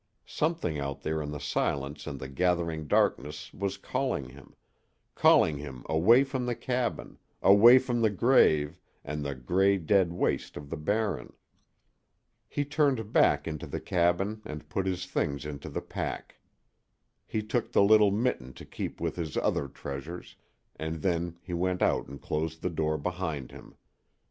Something out there in the silence and the gathering darkness was calling him calling him away from the cabin, away from the grave, and the gray, dead waste of the Barren. He turned back into the cabin and put his things into the pack. He took the little mitten to keep with his other treasures, and then he went out and closed the door behind him.